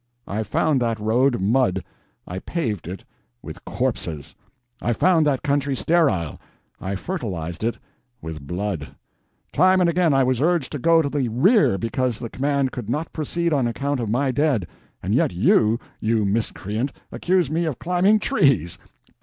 I found that road mud, I paved it with corpses. I found that country sterile, I fertilized it with blood. Time and again I was urged to go to the rear because the command could not proceed on account of my dead. And yet you, you miscreant, accuse me of climbing trees!